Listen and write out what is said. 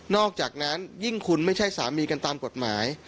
อกจากนั้นยิ่งคุณไม่ใช่สามีกันตามกฎหมาย